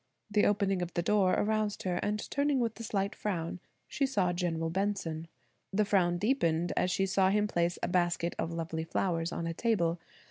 The opening of the door aroused her, and turning with a slight frown, she saw General Benson. The frown deepened as she saw him place a basket of lovely flowers on a table.